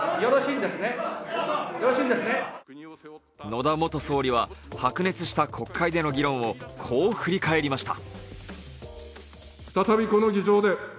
野田元総理は白熱した国会での議論をこう振り返りました。